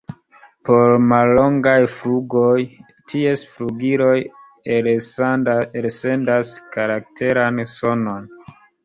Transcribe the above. Por mallongaj flugoj ties flugiloj elsendas karakteran sonon.